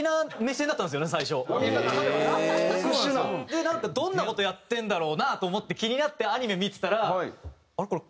でなんかどんな事やってるんだろうな？と思って気になってアニメ見てたらあれ？